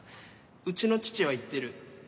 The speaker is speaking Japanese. うちの父は言ってる。